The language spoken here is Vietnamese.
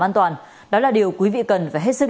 an toàn đó là điều quý vị cần phải hết sức